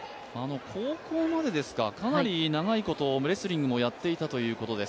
高校までかなり長いことレスリングもやっていたということです。